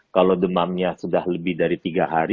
kalau demamnya sudah lebih dari tiga hari